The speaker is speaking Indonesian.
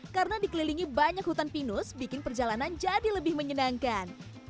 karena dikelilingi banyak hutan pinus bikin perjalanan jadi lebih menyenangkan